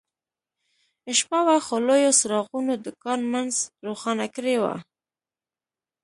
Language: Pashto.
شپه وه خو لویو څراغونو د کان منځ روښانه کړی و